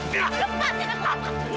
bisa sih lepas ini bang